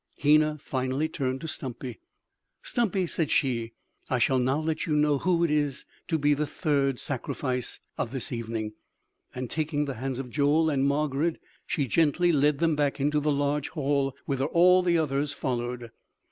Hena finally turned to Stumpy: "Stumpy," said she, "I shall now let you know who is to be the third sacrifice of this evening;" and taking the hands of Joel and Margarid she gently led them back into the large hall, whither all the others followed.